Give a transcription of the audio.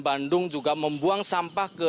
bandung juga membuang sampah ke